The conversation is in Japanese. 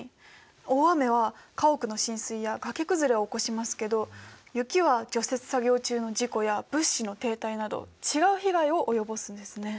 大雨は家屋の浸水や崖崩れを起こしますけど雪は除雪作業中の事故や物資の停滞など違う被害を及ぼすんですね。